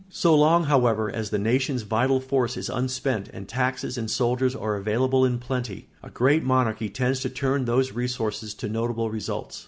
So long, however, as the nation's vital force is unspent and taxes and soldiers are available in plenty, a great monarchy tends to turn those resources to notable results.